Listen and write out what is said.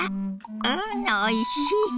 うんおいしい。